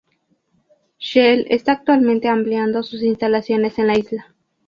Shell está actualmente ampliando sus instalaciones en la isla.